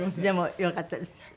でもよかったです。